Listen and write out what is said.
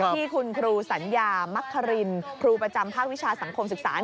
ที่คุณครูสัญญามักครินครูประจำภาควิชาสังคมศึกษา